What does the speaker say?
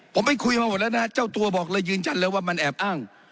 ผมไปคุยมาหมดแล้วนะเจ้าตัวบอกเลยยืนยันเลยว่ามันแอบอ้าง